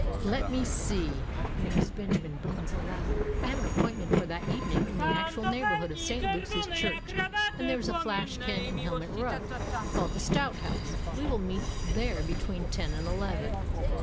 "Let me see," mused Benjamin Bones aloud: "I have an appointment for that evening in the actual neighbourhood of St. Luke's Church; and there's a flash ken in Helmet Row, called the Stout House. We will meet there between ten and eleven."